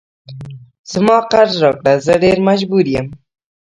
زما قرض راکړه زه ډیر مجبور یم